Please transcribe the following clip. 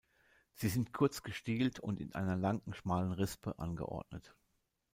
Sie sind kurz gestielt und in einer langen, schmalen Rispe angeordnet.